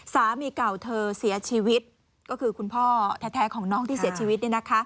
สามีเก่าเธอเสียชีวิตก็คือคุณพ่อแท้ของน้องที่เสียชีวิต